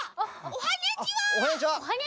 おはにゃちは。